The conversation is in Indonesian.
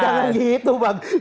jangan gitu bang